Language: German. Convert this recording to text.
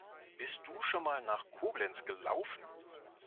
Bist du schon mal nach Koblenz gelaufen?